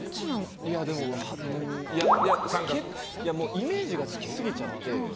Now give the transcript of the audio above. イメージがつきすぎちゃって。